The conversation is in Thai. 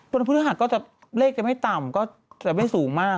วันพฤหัสก็จะเลขจะไม่ต่ำก็จะไม่สูงมาก